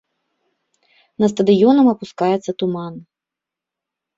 На стадыёнам апускаецца туман.